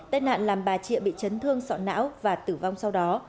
tết nạn làm bà trịa bị chấn thương sọt não và tử vong sau đó